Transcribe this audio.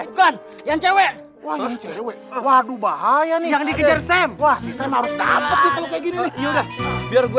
bukan yang cewek cewek waduh bahaya nih yang dikejar semuanya harus dapet ya udah biar gue